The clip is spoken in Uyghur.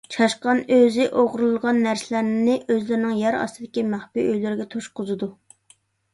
چاشقان ئۆزى ئوغرىلىغان نەرسىلەرنى ئۆزلىرىنىڭ يەر ئاستىدىكى مەخپىي ئۆيلىرىگە توشقۇزىدۇ.